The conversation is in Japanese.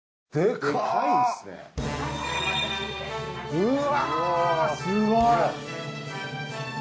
うわぁすごい！